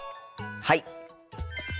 はい！